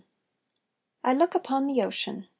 _ I look upon the ocean.